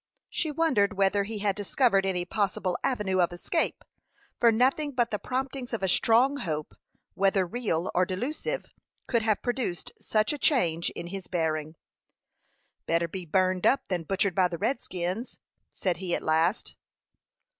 She wondered whether he had discovered any possible avenue of escape, for nothing but the promptings of a strong hope, whether real or delusive, could have produced such a change in his bearing. "Better be burned up, than butchered by the redskins," said he, at last.